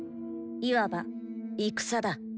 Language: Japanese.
いわば戦だ。